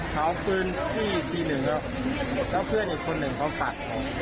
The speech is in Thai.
เขาคืนที่ที่หนึ่งแล้วแล้วเพื่อนอีกคนหนึ่งเขาตัด